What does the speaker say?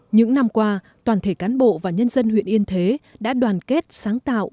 những năm qua toàn thể cán bộ và nhân dân huyện yên thế đã đoàn kết sáng tạo